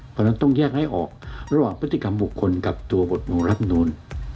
เพราะฉะนั้นต้องแยกให้ออกระหว่างพฤติกรรมบุคคลกับตัวบทของรัฐมนูล